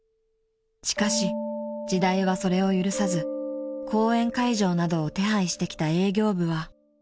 ［しかし時代はそれを許さず公演会場などを手配してきた営業部は］